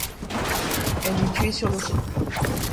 Elle est tuée sur le coup.